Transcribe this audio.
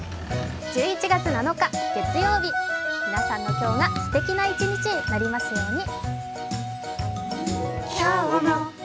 １１月７日、月曜日、皆さんの今日がすてきな一日になりますように。